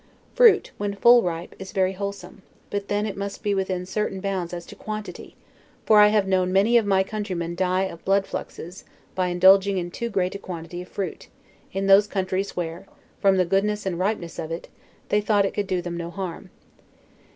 Fruit, when full ripe, is very wholesome; but then it must be within certain bounds as to quantity; for I have known many of my countrymen die of bloody fluxes, by indulging in too great a quantity of fruit, in those countries where, from the goodness and ripeness of it, they thought it could do them no harm.